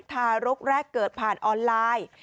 ทารกแรกเกิดผ่านออนไลน์